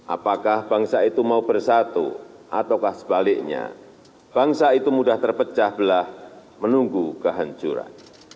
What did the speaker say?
apakah bangsa itu mau bersatu ataukah sebaliknya bangsa itu mudah terpecah belah menunggu kehancuran